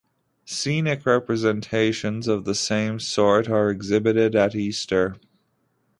Scenic representations of the same sort are exhibited at Easter.